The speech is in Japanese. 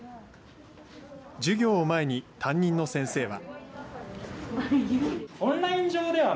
授業を前に担任の先生は。